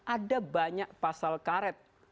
ada banyak pasal karet